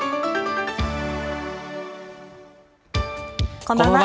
こんばんは。